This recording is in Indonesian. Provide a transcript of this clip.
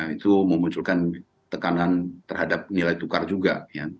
itu memunculkan tekanan terhadap nilai tukar juga